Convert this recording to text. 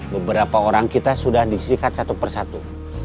beberapa orang kita sudah disikat satu persatu